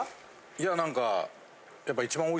いや何か。